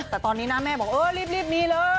แต่ตอนนี้นะแม่บอกเออรีบมีเลย